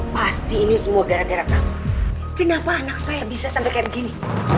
pasti ini semua gara gara kamu kenapa anak saya bisa sampai kayak gini